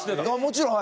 もちろん。